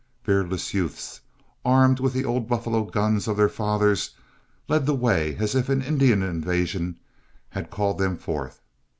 Beardless youths, armed with the old buffalo guns of their fathers, led the way as if an Indian invasion had called them forth.